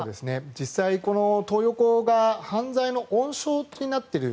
実際、このトー横が犯罪の温床になっている。